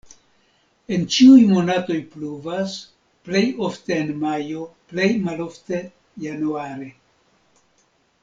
En ĉiuj monatoj pluvas, plej ofte en majo, plej malofte januare.